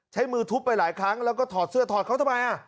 ใช้มือทุบไปหลายครั้งแล้วก็ถอดเสื้อถอดเขาทำไม